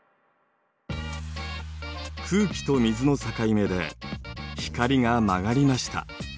空気と水の境目で光が曲がりました。